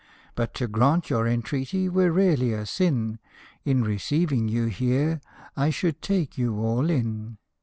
But to grant your entreaty were really a sin In receiving you here, I should take you all in